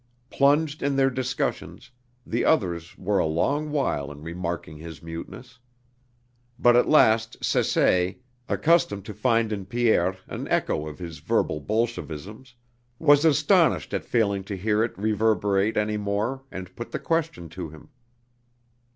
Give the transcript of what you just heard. Plunged in their discussions, the others were a long while in remarking his muteness. But at last Saisset, accustomed to find in Pierre an echo of his verbal bolshevisms, was astonished at failing to hear it reverberate any more and put the question to him.